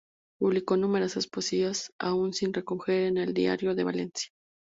Publicó numerosas poesías aún sin recoger en el "Diario de Valencia".